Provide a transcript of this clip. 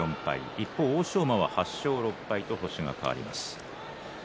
一方の欧勝馬は８勝６敗と星が変わります。